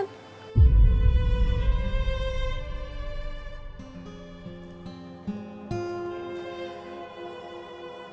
yang mandiri iya kan